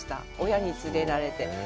親につれられて。